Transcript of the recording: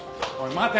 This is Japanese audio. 待て。